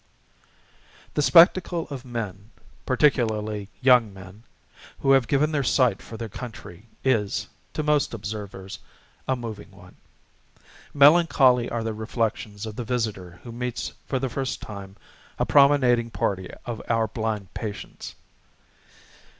The spectacle of men particularly young men who have given their sight for their country is, to most observers, a moving one. Melancholy are the reflections of the visitor who meets, for the first time, a promenading party of our blind patients.